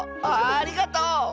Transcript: ありがとう！